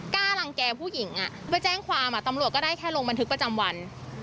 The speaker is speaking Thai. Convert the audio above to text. กล้ารังแก่ผู้หญิงไปแจ้งความตำรวจก็ได้แค่ลงบันทึกประจำวัน